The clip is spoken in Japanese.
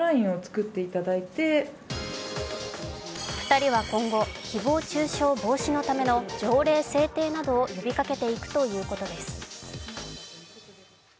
２人は今後、誹謗中傷防止のための条例制定などを呼びかけていくということです。